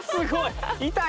痛い。